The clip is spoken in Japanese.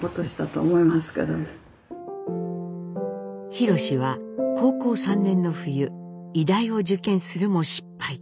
ひろしは高校３年の冬医大を受験するも失敗。